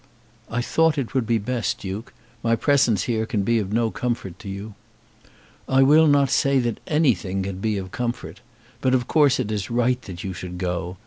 "I thought it would be best, Duke. My presence here can be of no comfort to you." "I will not say that anything can be of comfort. But of course it is right that you should go.